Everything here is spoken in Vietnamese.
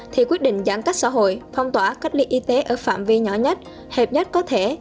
thì quyết định giãn cách xã hội phong tỏa cách ly y tế ở phạm vi nhỏ nhất hẹp nhất có thể